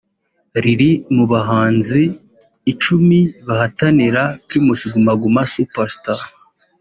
riri mu bahanzi icumi bahatanira Primus Guma Guma Super Star